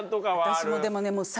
私もでもね。